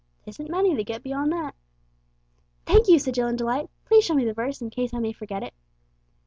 'Tisn't many that get beyond that!" "Thank you," said Jill in delight. "Please show me the verse in case I may forget it."